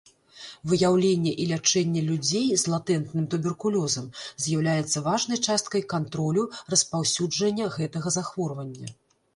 Выяўленне і лячэнне людзей з латэнтным туберкулёзам з'яўляецца важнай часткай кантролю распаўсюджання гэтага захворвання.